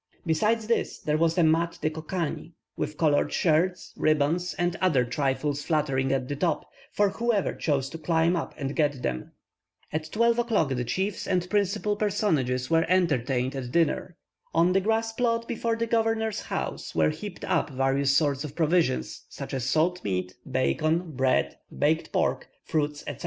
Besides this, there was a Mat de Cocagne, with coloured shirts, ribbons, and other trifles fluttering at the top, for whoever chose to climb up and get them. At 12 o'clock the chiefs and principal personages were entertained at dinner. On the grass plot before the governor's house were heaped up various sorts of provisions, such as salt meat, bacon, bread, baked pork, fruits, etc.